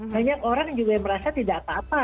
banyak orang juga yang merasa tidak apa apa